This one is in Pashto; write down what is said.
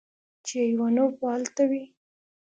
چې ايوانوف به الته وي.